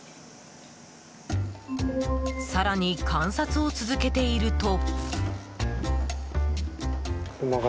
更に観察を続けていると。